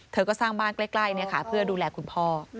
เธอก็สร้างบ้านใกล้เพื่อดูแลคุณพ่อ